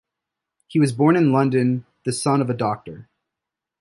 He was born in London the son of a doctor.